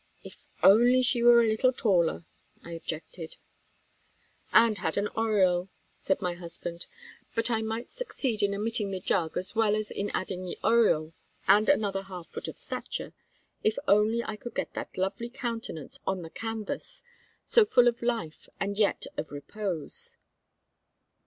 "If only she were a little taller," I objected. "And had an aureole," said my husband. "But I might succeed in omitting the jug as well as in adding the aureole and another half foot of stature, if only I could get that lovely countenance on the canvas, so full of life and yet of repose."